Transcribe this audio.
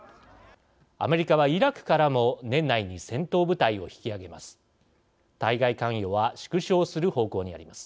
アメリカはイラクからも年内に戦闘部隊を引き揚げます。